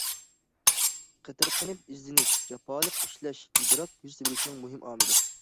قېتىرقىنىپ ئىزدىنىش، جاپالىق ئىشلەش ئىدراك يۈز بېرىشنىڭ مۇھىم ئامىلى.